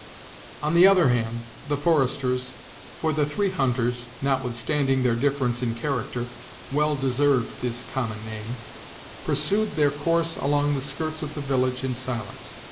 On the other hand, the foresters for the three hunters, notwithstanding their difference in character, well deserved this common name pursued their course along the skirts of the village in silence.